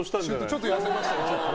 ちょっと痩せましたかね。